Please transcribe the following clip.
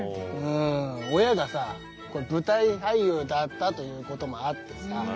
親がさ舞台俳優だったということもあってさ